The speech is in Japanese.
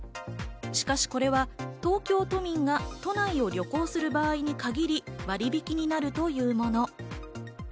しかしこれは東京都民が都内を旅行する場合に限り、割引になるというもの。